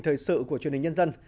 thời sự của truyền hình nhân dân